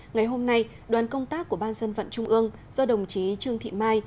ngày hôm nay đoàn công tác của ban dân vận trung ương do đồng chí trương thị mai